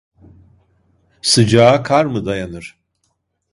Sıcağa kar mı dayanır?